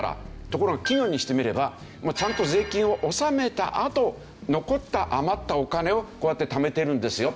ところが企業にしてみればちゃんと税金を納めたあと残った余ったお金をこうやって溜めているんですよ。